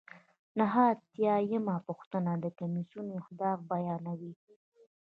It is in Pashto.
نهه اتیا یمه پوښتنه د کمیسیون اهداف بیانوي.